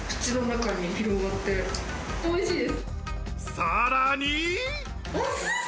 さらに。